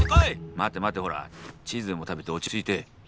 待て待てほらチーズでも食べて落ち着いて。